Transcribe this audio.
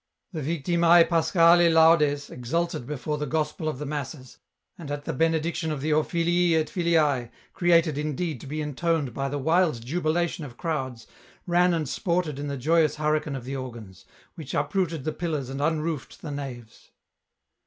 The *' Victimae Paschali Laudes " exulted before the gospel of the masses, and at the Benediction the " O Filii et Filiae," created indeed to be intoned by the wild jubilations of crowds, ran and sported in the joyous hurricane of the organs, which uprooted the pillars and unroofed the naves.